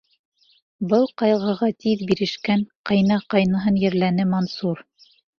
Был ҡайғыға тиҙ бирешкән ҡәйнә-ҡайныһын ерләне Мансур.